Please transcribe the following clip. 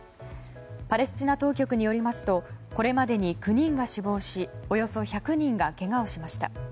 パレスチナ当局によりますとこれまでに９人が死亡しおよそ１００人がけがをしました。